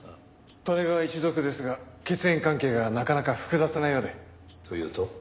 利根川一族ですが血縁関係がなかなか複雑なようで。というと？